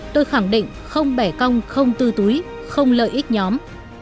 tôi khẳng định không bẻ cong không tư túi không lợi ích nhóm